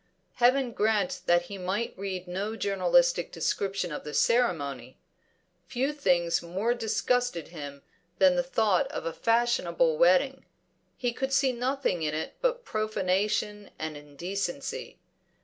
Heaven grant that he might read no journalistic description of the ceremony! Few things more disgusted him than the thought of a fashionable wedding; he could see nothing in it but profanation and indecency.